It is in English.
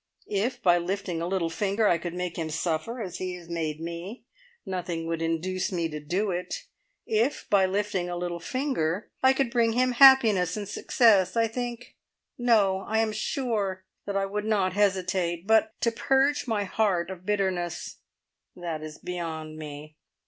If by lifting a little finger I could make him suffer as he has made me, nothing would induce me to do it. If by lifting a little finger I could bring him happiness and success, I think no, I am sure that I would not hesitate. But to purge my heart of bitterness, that is beyond me!